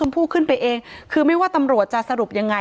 ถ้าใครอยากรู้ว่าลุงพลมีโปรแกรมทำอะไรที่ไหนยังไง